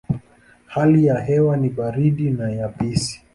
Hali ya hewa ni baridi na yabisi.